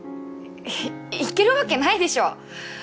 い行けるわけないでしょう。